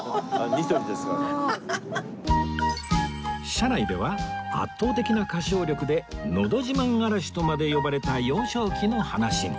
車内では圧倒的な歌唱力でのど自慢荒らしとまで呼ばれた幼少期の話に